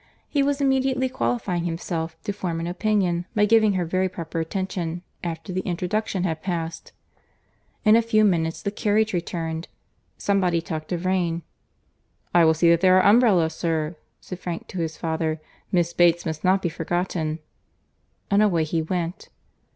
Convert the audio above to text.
He was immediately qualifying himself to form an opinion, by giving her very proper attention, after the introduction had passed. In a few minutes the carriage returned.—Somebody talked of rain.—"I will see that there are umbrellas, sir," said Frank to his father: "Miss Bates must not be forgotten:" and away he went.